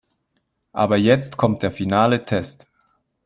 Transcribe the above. Aber jetzt kommt der finale Test.